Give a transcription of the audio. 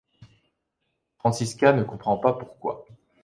Franziska ne comprend pas pourquoi.